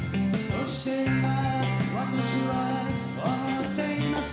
「そして今私は思っています」